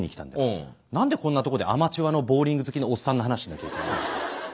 何でこんなとこでアマチュアのボウリング好きのおっさんの話しなきゃいけないの。